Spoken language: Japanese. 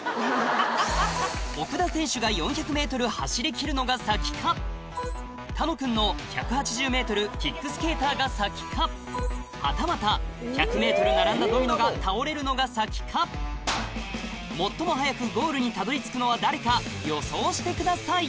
奥田選手が４００ｍ走り切るのが先か楽くんの１８０ｍキックスケーターが先かはたまた１００ｍ並んだドミノが倒れるのが先か最も速くゴールにたどり着くのは誰か予想してください